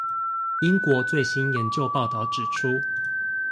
英國最新研究報導指出